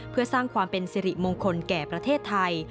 เพื่อสร้างความเป็นสิริมงคลแก่ประเทศไทย